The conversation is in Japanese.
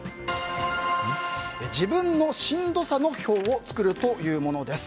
自分のしんどさの表を作るというものです。